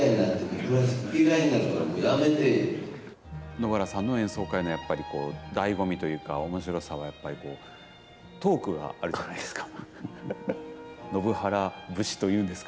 延原さんの演奏会のやっぱりだいご味というか面白さは、やっぱりトークがあるじゃないですか。